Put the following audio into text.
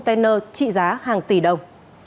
trị giá hàng tỷ đồng